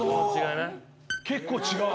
結構違う！